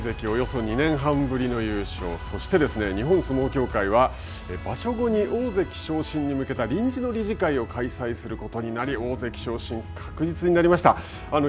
およそ２年半ぶりの優勝そして日本相撲協会は場所後に大関昇進に向けた臨時の理事会を開催することになり大関昇進確実になりました。